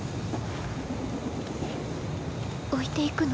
置いていくの？